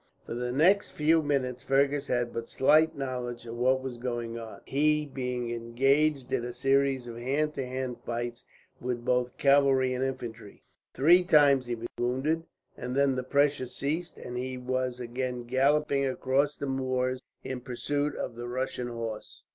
For the next few minutes Fergus had but slight knowledge of what was going on, he being engaged in a series of hand to hand fights with both cavalry and infantry. Three times he was wounded, and then the pressure ceased, and he was again galloping across the moors in pursuit of the Russian horse.